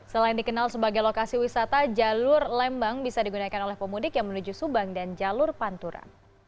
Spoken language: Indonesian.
selain dikenal sebagai lokasi wisata jalur lembang bisa digunakan oleh pemudik yang menuju subang dan jalur pantura